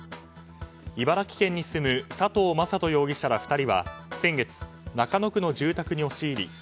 茨城県に住む佐藤政人容疑者ら２人は先月、中野区の住宅に押し入り